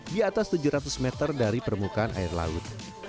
di atas tujuh ratus meter dari permukaan air laut